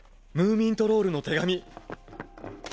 ムーミントロールの手紙！